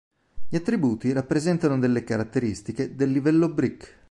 Gli attributi rappresentano delle caratteristiche del livello brick.